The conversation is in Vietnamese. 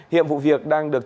hiệm vụ việc đang được